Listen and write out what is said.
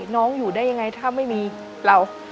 น้องอยู่ได้ยังไงถ้าไม่มีเรา